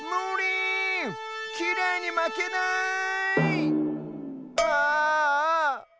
きれいにまけない！ああ。